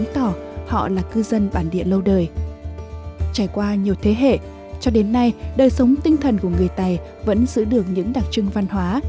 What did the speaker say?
trải qua nhiều thế hệ cho đến nay đời sống tinh thần của người tài vẫn giữ được những đặc trưng văn hóa